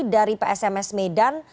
dari psms medan